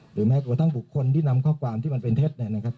แม้กระทั่งบุคคลที่นำข้อความที่มันเป็นเท็จเนี่ยนะครับ